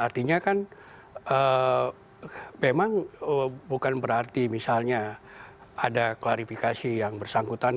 artinya kan memang bukan berarti misalnya ada klarifikasi yang bersangkutan